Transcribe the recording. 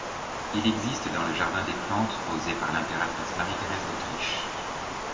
Il existe dans le jardin des plantes posées par l'impératrice Marie-Thérèse d'Autriche.